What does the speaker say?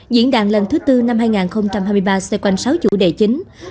diễn đàn lần thứ tư năm hai nghìn hai mươi ba xoay quanh sáu chủ đề chính